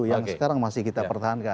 yang sekarang masih kita pertahankan